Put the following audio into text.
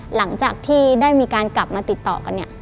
หลังจากที่ได้มีการกลับมาติดต่อกันเนี่ย